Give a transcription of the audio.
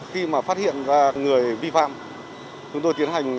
khi mà phát hiện ra người vi phạm chúng tôi tiến hành ghi hình